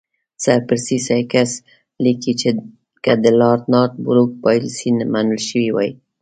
سر پرسي سایکس لیکي چې که د لارډ نارت بروک پالیسي منل شوې وای.